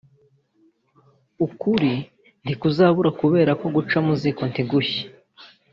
ukuri ntikuzabura kubereka ko guca mu ziko ntigushye